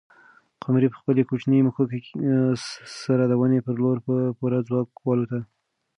قمرۍ په خپلې کوچنۍ مښوکې سره د ونې پر لور په پوره ځواک والوته.